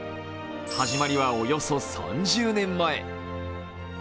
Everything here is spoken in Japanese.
始まりは、およそ３０年前。